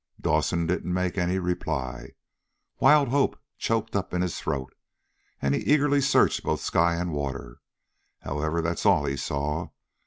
Dawson didn't make any reply. Wild hope choked up in his throat, and he eagerly searched both sky and water. However, that's all he saw.